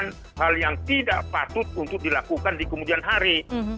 bukan hal yang tidak patut untuk dilakukan di kemudian hari